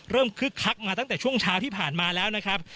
คึกคักมาตั้งแต่ช่วงเช้าที่ผ่านมาแล้วนะครับ